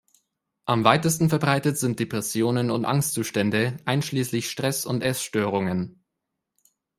Am weitesten verbreitet sind Depressionen und Angstzustände einschließlich Stress und Essstörungen.